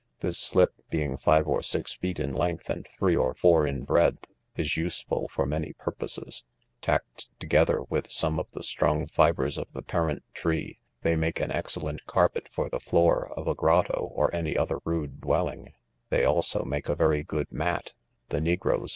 This slip, oeing five or six feet in length and three or four in breadth, is useful for many purposes. Tacked together with some of the strong fibres of the parent tree 8 ,, they make an ex cellent carpet for the floor of a grotto or any other rude dwelling; they also make a very good mat. The negroes.